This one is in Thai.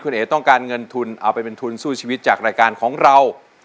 คุณเอ๋ต้องการเงินทุนเอาไปเป็นทุนสู้ชีวิตจากรายการของเรา